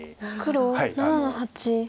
黒７の八。